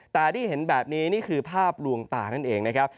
แต่ที่เห็นแบบนี้นี่คือภาพลวงตานั่นเองนะครับ